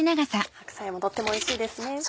白菜もとってもおいしいですね。